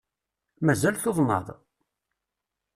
Mazal tuḍneḍ?